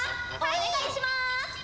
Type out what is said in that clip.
お願いします。